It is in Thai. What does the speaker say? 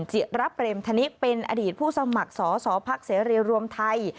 จิตรับเร็มธนิกเป็นอดีตผู้สมัครสอบภักษณ์เสรีเรียรวมไทย